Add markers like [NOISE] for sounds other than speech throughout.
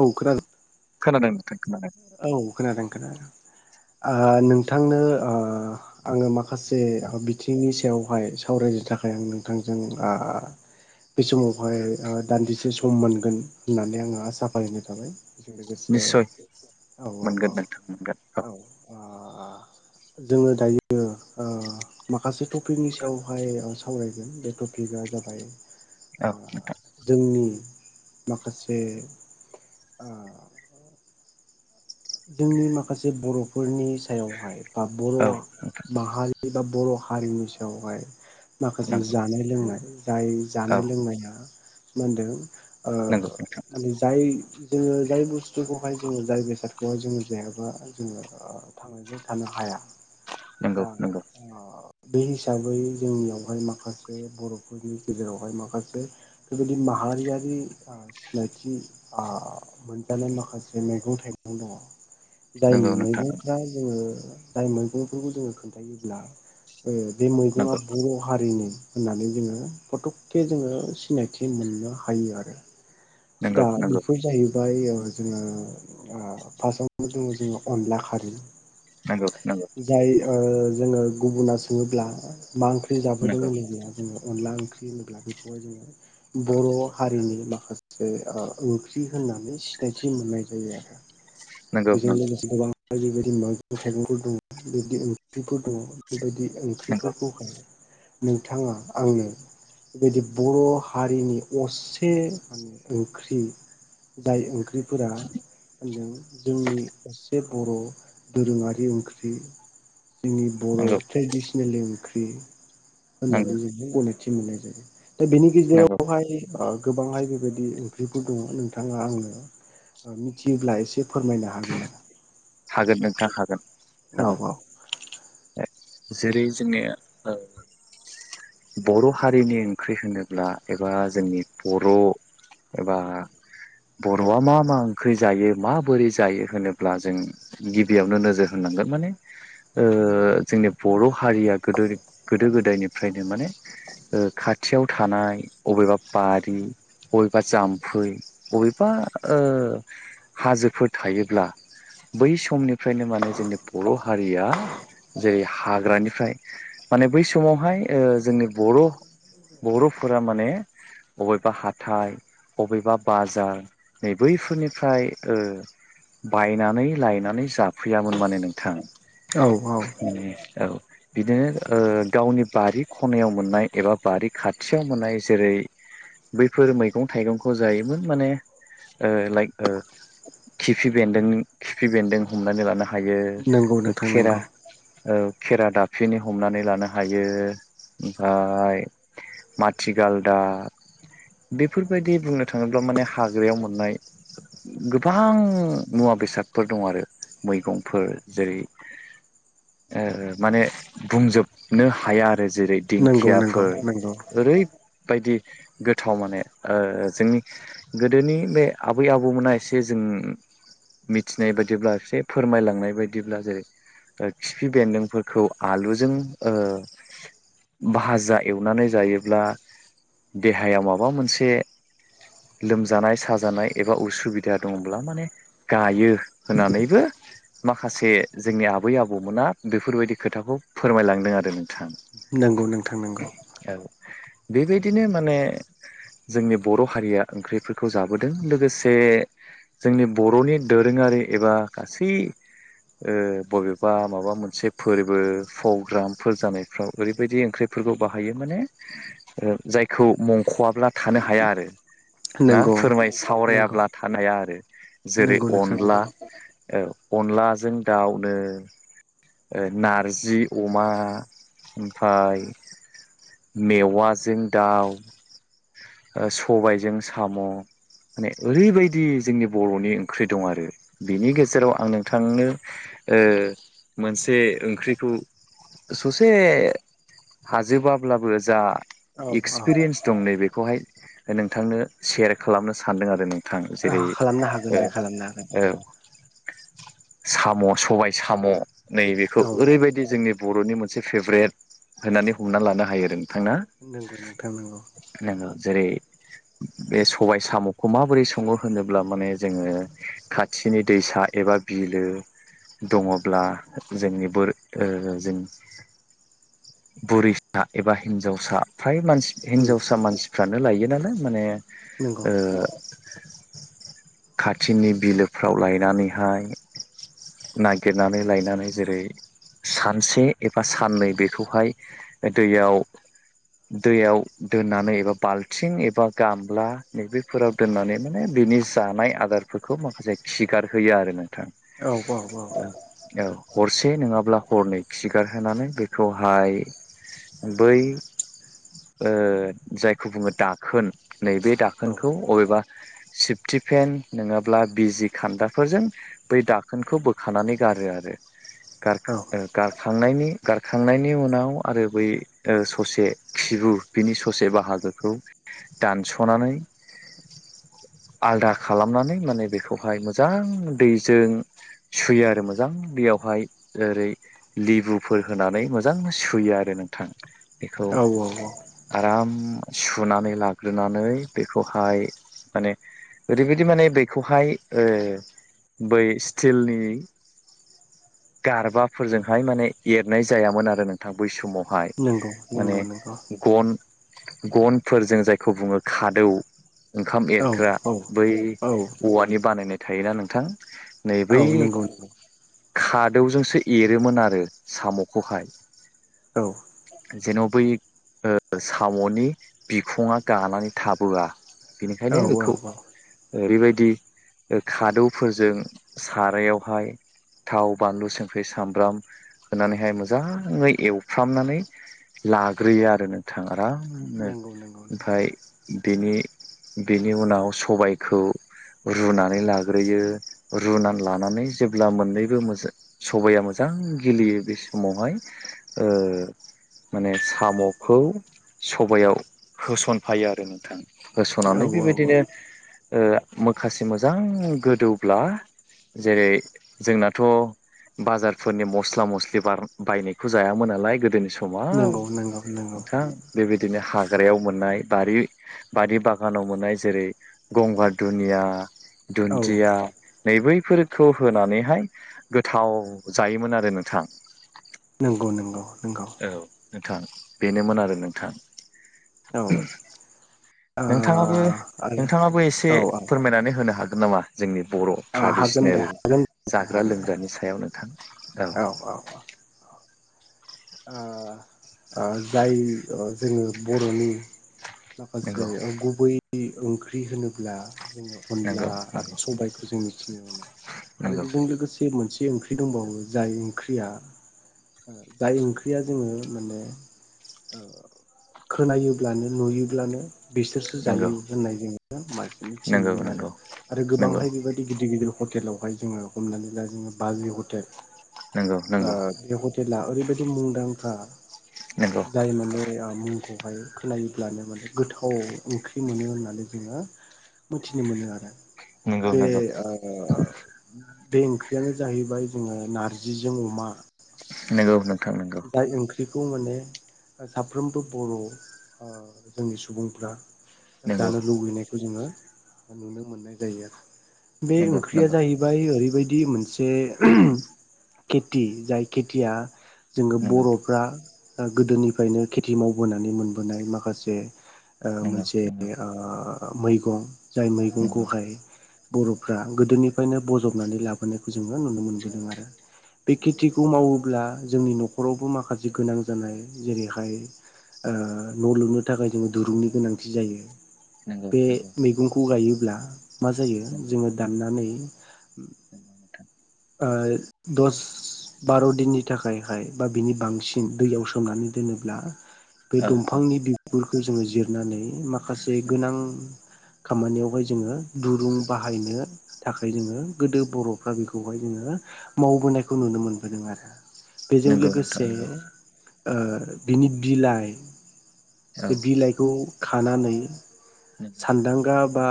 औ खोनादों खोनादों नोंथां खोनादों औ खोनादों खोनादों नोंथांनो आङो मा माखासे औ बिथिंनि सायावहाय सावरायनो थाखाय आं नोंथांजों बे समावहाय दान्दिसे सम मोनगोन होननानै आङो आसा फारिनाय थाबाय बेजों लोगोसे निस्सय औ औ मोनगोन नोंथां मोनगोन औ औ जोङो दायो माखासे टपिकनि सायावहाय सावरायगोन बे टपिकआ जाबाय औ नोंथां जोंनि माखासे जोंनि माखासे बर'फोरनि सायावहाय बा बर' औ नोंथां माहारि बा बर' हारिनि सायावहाय माखासे जानाय लोंनाय जाय जानाय लोंनाया मोदों नंगौ औ नंगौ नोंथां माने जाय जोङो जाय बुस्थुखौहाय जोङो जाय बेसाद बा जोङो जायाबा जोङो थांजों थानो हाया नंगौ दा नंगौ बे हिसाबै जोंनियावहाय माखासे बरफोरनि गेजेरावहाय माखासे बेबायदि माहारियारि सिनायथि मोनजानाय माखासे मैगं थाइगं दङ दाय नंगौ नोंथां मैगंफ्रा जोङो जाय मैगंफोरखौ जोङो खोन्थायोबब्ला बे मैगङा बर हारिनि होननानै जोङो फटकके जोङो सिनायथि मोननो हायो आरो दा बेफोर जाहैबाय जोङो फारस्आव दङ जोङो अनला खारै नगौ नांगौ जाय जोङो गुबुना सोङोब्ला मा ओंख्रि जाबोदों होनो गया बुङो अनला ओंख्रि होनोब्ला बेखौहाय जोङो बर हारिनि माखासे ओंख्रि होननानै सिनायथि मोननाय जायो आरो नंगौ नंगौ बेजों लोगोसे गोबां आरो बेबायदि मैगं थाइगंफोर दङ बेबायदि ओंख्रिफोर दङ बेबायदि ओंख्रिफोरखौहाय नोंथाङा आंनो बेबायदि बर हारिनि असे माने ओंख्रि दाय ओंख्रिफोरा होनदों जोंनि सासे बर दोरोङारि ओंख्रि जोंनि बर नंगौ ट्रेडिसनेल ओंख्रि नंगौ होननानै जों बुंखनाय मोननाय जायो दा बेनि नंगौ गेजेरावहाय गोबांहाय बेबायदि ओंख्रिफोर दङ नोंथाङा आंनो मिथियोब्ला एसे फोरमायनो हागोन आरो हागोन नोंथाङा हागोन हागोन नामा? औ जेरै जोंओ बर हारिनि ओंख्रि होनोब्ला एबा जोंनि बर एबा बरआ मा मा ओंख्रि जायो माबोरै जायो होनोब्ला जों गिबियावनो नोजोर होनांगौ जोंनि बर हारिया गोद गोदायनिफ्राय बि माने खाथियाव थानाय अबेबा बारि बबेबा जाम्फै बबेबा हाजोफोर थायोब्ला बै समनिफ्रायनो माने जोंनि बर हारिया जेरै हाग्रानिफ्राय माने बै समावहाय जोंनि बर बर'फोरा माने बबेबा हाथाय बबेबा बाजार नै बैफोरनिफ्राय बायनानै लायनानै जाफैयामोन माने नोंथाङा औ औ औ बिदिनो गावनि बारि खनायाव मोननाय एबा बारि खाथियाव मोननाय जेरै बैफोर मैगं थाइगंखौ जायोमोन माने लाइक खिफि बेन्दों खिफि बेन्दों हमनानै लानो हागोन ायो नंगौ नोंथां खेरा नंगौ खेरा दाफनि हमनानै लानो हायो ओमफ्राय माथिगालदाब बेफोरबायदि बुंनो थाङोब्ला माने हाग्रायाव मोननाय गोबां मुवा बेसादफोर दं आरो मैगंफोर जेरै [INAUDIBLE] माने बुंजोबनो हाया आरो जेरै नंगौ नंगौ दिंखियाफोर नंगौ ओरै बायदि गोथाव माने जोंनि गोदोनि बे आबै आबौमोना एसे जों [INAUDIBLE] मिथिनाय बायदिब्ला एसे फोरमायलांनाय बायदिब्ला जेरै खिफि बेन्दोंफोरखौ आलुजों भाजा एवनानै जायोब्ला देहायाव माबा मोनसे लोमजानाय साजानाय एबा उसुबिदा दङब्ला माने गायो होननानैबो माखासे जोंनि आबै आबौमोना बेफोरबायदि खोथाखौ फोरमायलांदों आरो नोंथाङा नंगौ नोंथां नंगौ बेबायदिनो माने जोंनि बर' हारिया ओंख्रिफोरखौ जाबोदों लोगोसे जोंनि बर'नि दोरोङारि एबा गासै ओ बबेबा माबा मोनसे फोरबो प्रग्रामफोर जानायफ्राव ओरैबायदि ओंख्रिफोरखौ बाहायो माने ओ जायखौ मंख'वाब्ला थानो हाया आरो ना नंगौ फोरमाय नंगौ सावरायाब्ला थानाया आरो जेरै नंगौ नोंथां अनला नंगौ औ अनलाजों दाउनो नारजि अमा ओमफाय मेवाइजों दाउ सबायजों साम' माने ओरैबायदि जोंनि बर'नि ओंख्रि दं आरो बेनि गेजेराव आं नोंथांनो ओ मोनसे ओंख्रिखौ सो ए हाजोबाब्लाबो जा औ औ एक्सपिरियेन्स दं नैबे बेखौहाय नोंथांनो सेयार खालामनो सानदों आरो नों थां जेरै खालामनो हागोन दे ओ खालामनो हागोन ओ साम' सबाय साम' नैबेखौ औ ओरैबायदि जोंनि बर'नि मोनसे मोनसे फेभरेट होननानै हमना लानो हायो नोंथां नंगौ नोंथां नंगौ नोङो जेरै बे सबाय साम'खौ माबोरै सङो होनोब्ला माने जोङो खाथिनि दैसा एबा बिलो दङब्ला जोंनि जोंनि बुरिसा एबा हिनजावसा फ्राय मान हिनजावसा मानसिफ्रानो लायोनालाय माने नंगौ [INAUDIBLE] खाथिनि बिलोफ्राव लायनानैहाय नागिरनानै लायनानै जेरै सानसे साननै बेखौहाय दैयाव दैयाव दोननानै एबा बाल्थिं एबा गामला नैबेफोराव दोननानै माने बेनि जानाय आदारफोरखौ माखासे खिगार होयो आरो नों औ औ औ हरसे नङाब्ला हरनै खि खिगारहोनानै बेखौहाय बै जायखौ बुङो दाखोन नैबे औ दाखोनखौ अबेबा [INAUDIBLE] सिफटिफेन नङाब्ला बिजि खान्दाफोरजों बै दाखोनखौ बोखानानै गारो आरो [INAUDIBLE] [UNINTELLIGIBLE] गारखांनायनि गारखांनायनि उनाव आरो बै ससे खिबु बिनि ससे बाहागो खौ दानस'नानै [INAUDIBLE] आलदा खालामनानै माने बेखौहाय मोजां दैजों। सुयो आरो मोजां बेयावहाय ओरै। लिबुफोर होनानै मोजां सुयो आरो नोंथां बेखौ। औ औ आराम सुनानै लाग्रोनानै बेखौहाय माने। ओरैबायदि माने बैखौहाय बै स्टिलनि। गारबाफोरजोंहाय माने एरनाय जायामोन आरो नोंथां बै समाव। हाय नंगौ माने नंगौ नंगौ गन। गनफोर जों जायखौ बुङो खादौ ओंखाम औ एरग्रा औ बै औ औवानि बानायनाय थायोना नोंथां? नै औ बै नंगौ खादौजोंसो एरोमोन आरो साम'खौहाय। औ जेन' बै ओ साम'नि बिखुङा गानानै थाबोआ औ बेनिखायनो बे खौ औ ओरैबायदि खादौफोरजों सारायावहाय थाव बानलु संख्रि साम ब्राम होनानैहाय मोजाङै एवफ्रामनानै लाग्रोयो आरो नोंथाङा आराम गोबनो नंगौ नंगौ नंगौ ओमफ्राय बेनि बेनि उनाव सबायखौ रुनानै लाग्रोयो रुनानै लानानै जेब्ला मोननैबो मोजां सबाया मोजां मोजां गेब्लेयो बे समावहाय ओ माने साम'खौ सबाय याव होसनफायो आरो नोंथां। औ होस'नानै औ बेबायदिनो ओ माखासे मोजां गोदौब्ला जेरै जोंनाथ' बाजार फोरनि मस्ला मस्लि बार बायनायखौ जायामोन नालाय गोदोनि समाव नंगौ नंगौ नंगौ नोंथां। बेबायदिनो हाग्रायाव मोननाय बारि बारि बागानाव मोननाय जेरै गंगार दुनिया या औ दुन्दिया नै बैफोरखौ होनानैहाय गोथाव जायोमोन आरो नोंथां। नंगौ नंगौ औ नोंथां बेनोमोन आरो नोंथां औ नोंथाङाबो आरो नोंथाङाबो एसे औ औ फोरमायनानै होनो हागोन नामा जोंनि बर' ओ हागोन दे ट्रेडिसनेल हागोन नोंथां जाग्रा हागोन दे लोंग्रानि सायाव नोंथां औ ओ जाय जोङो बर'नि माखासे नंगौ गुबै ओंख्रि होनोब्ला जोङो अनला नंगौ आरो नंगौ सबायाइखौ जों मिथिनो मोनो आरो नंगौ बेजों लोगोसे मोन से ओंख्रि दंबावो जाय ओंख्रिया जाय ओंख्रिया जोङो माने खोनायोब्लानो नुयोब्लानो‌ बिसोरसो जायो नंगौ होननाय जोङो मासे मिथिनो नंगौ मोनो नंगौ आरो नंगौ गोबांहाय बेबायदि गिदिर गिदिर हटेलावहाय जोङो हमनानै ला जोङो बाजै हटेल नंगौ नंगौ ओ नंगौ बे हटेला ओरैबायदि मुंदांखा जाय माने ओ मुंखौहाय खोनायोब्लानो माने गोथाव ओंख्रि मोनो होनना होननानै जोङो मिथिनो मोनो आरो नंगौ नंगौ बे बे ओंख्रियानो जाहैबाय जोङो नारजिजों अमा। नंगौ नोंथां नंगौ दायो ओं बेखौ माने साफ्रोमबो बर' जोंनि सुबुंफ्रा नंगौ जानो लुबैनायखौ जोङो नुनो मोननाय जायो आरो बे नंगौ नंगौ ओंख्रिया जाहैबाय ओरै बायदि मोनसे खेथि जाय खेथिया जोङो नंगौ नंगौ बर'फ्रा गोदोनिफ्रायनो खेथि मावबोनानै मोनबोनाय माखासे ओ औ मोनसे ओ मैगं जाय मैगंखौहाय बर'फ्रा गोदोनिफ्रायनो बजबनानै लाबोनायखौ जोङो नुनो मोनबोदों आरो। बे खेथिखौ मावोब्ला जोंनि न'खरावबो माखासे गोनां जानाय जेरैहाय ओ न' लुनो थाखाय जोंनो दिरुंनि गोनांथि जायो। बे मैगंखौ गायोब्ला मा जायो जोङो दाननानै [UNINTELLIGIBLE] ओ दस बार' दिननि थाखायहाय बा बिनि बांसिन दैयाव सोमनानै दोनोब्ला बे औ दंफांनि बिगुर खौ जोङो जिरनानै माखासे नंगौ गोनां खामानियावहाय जोङो दुरुं बाहायनो थाखाय जोङो गोदो बर'फ्रा बेखौहाय जोङो मावबोनायखौ नुनो मोनबोदों आरो बेजों नंगौ नोंथां लोगोसे नंगौ ओ बिनि बिलाइ औ बे बिलाइखौ खानानै नंगौ सान्दांगा बा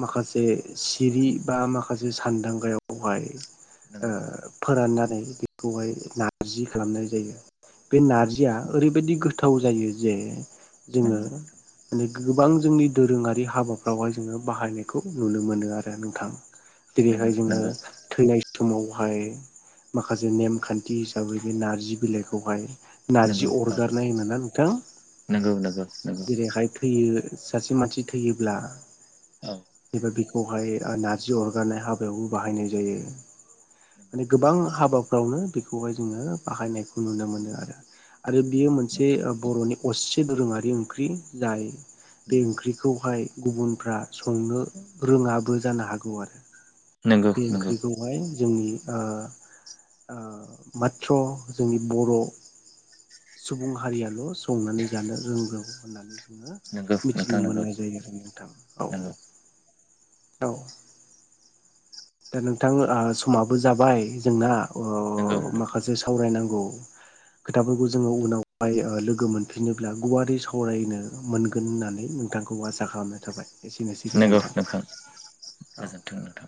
माखासे सिरि बा माखासे सानदांगायावहाय ओ नंगौ नंगौ फोराननानै बेखौहाय नारजि खालामनाय जायो। बे नारजिया ओरैबायदि गोथाव जायो जे जोङो नोंथां मानि गोबां जोंनि दोरोङारि हाबाफ्रावहाय जोङो बाहायनायखौ नुनो मोनो आरो नोंथां। नंगौ जेरैहाय जोङो नंगौ थैनाय समावहाय माखासे नेमखान्थि हिसाबै बे नारजि बिलाइखौहाय नारजि नंगौ औ अरगारनाय होनोना नोंथां नंगौ नंगौ नंगौ जेरैहाय थैयो सासे मानसि थैयोब्ला औ एबा बि आवहाय ओ नार्जि अरगारनाय हाबायावबो बाहायनाय जायो माने गोबां हाबाफ्रावनो बेखौहाय जोङो बाहायनायखौ नुनो मोनो आरो। आरो बियो नंगौ मोनसे नोंथां ओ बर'नि असे दोरोङारि ओंख्रि जाय बे ओंख्रिखौहाय गुबुनफ्रा संनो रोङाबो जानो हागौ आरो। नंगौ बे नंगौ ओंख्रिखौहाय जोंनि ओ ओ माथ्र' जोंनि बर' सुबुं हारियाल' संनानै जानो रोंगौ होननानै जों ङो नंगौ नंगौ मिथिनो नोंथां नंगौ मोननाय जायो आरो नोंथां औ। नंगौ औ दा नोंथां ओ समाबो जाबाय जोंना अ नंगौ नोंथां माखासे नंगौ सावरायनांगौ खोथाफोरखौ जोङो उनावहाय ओ लोगो मोनफिनोब्ला गुवारै सावरायनो मोनगोन होननानै नोंथांखौ आसा खालामनाय थाबाय। एसेनोसै नंगौ गोजोन्थों नोंथां औ। गोजोन्थों नोंथां